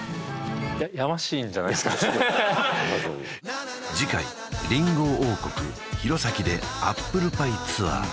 いややましいんじゃないですかやましくない次回りんご王国弘前でアップルパイツアー